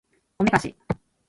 おめかし